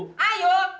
ayo jalan yang cepet